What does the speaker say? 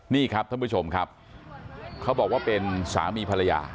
นี่ครับท่านผู้ชมครับเขาบอกว่าเป็นสามีภรรยา